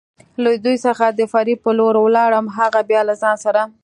له دوی څخه د فرید په لور ولاړم، هغه بیا له ځان سره.